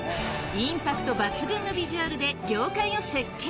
インパクト抜群のビジュアルで業界を席巻！